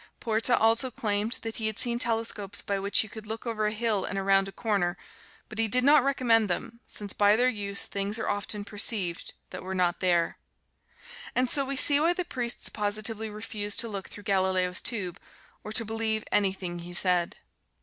Porta also claimed that he had seen telescopes by which you could look over a hill and around a corner, but he did not recommend them, since by their use things are often perceived that were not there. And so we see why the priests positively refused to look through Galileo's Tube, or to believe anything he said.